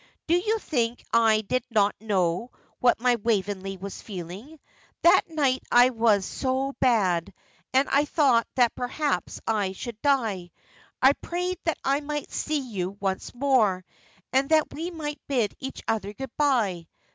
Do you think I did not know what my Waveney was feeling? That night I was so bad, and I thought that perhaps I should die, I prayed that I might see you once more, and that we might bid each other good bye.